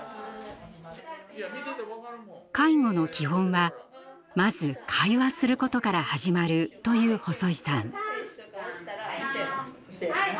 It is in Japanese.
介護の基本はまず会話することから始まると言う細井さん。